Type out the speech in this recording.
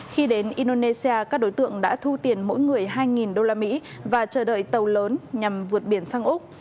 khi đến indonesia các đối tượng đã thu tiền mỗi người hai đô la mỹ và chờ đợi tàu lớn nhằm vượt biển sang úc